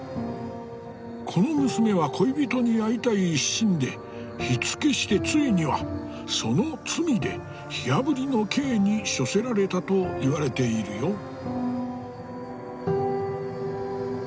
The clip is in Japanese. この娘は恋人に会いたい一心で火付けしてついにはその罪で火あぶりの刑に処せられたと言われているよ。